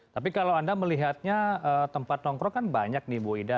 tapi kalau anda melihatnya tempat nongkrong kan banyak nih bu ida